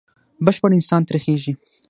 بشپړ انسان ترې خېژي.